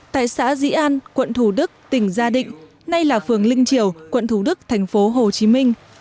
tại xã dĩ an quận thủ đức tỉnh gia định nay là phường linh triều quận thủ đức thành phố hồ chí minh